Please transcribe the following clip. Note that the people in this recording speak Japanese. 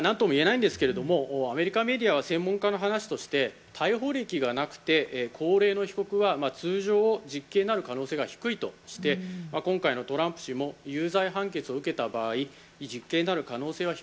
まだ何とも言えないんですけれども、アメリカメディアは専門家の話として逮捕歴がなくて、高齢の被告は通常、実刑になる可能性は低いとして、今回のトランプ氏も有罪判決を受けた場合、実刑になる可能性は低